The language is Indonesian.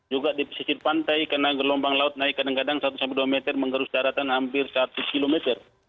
juga di pesisir pantai karena gelombang laut naik kadang kadang satu dua meter mengerus daratan hampir satu kilometer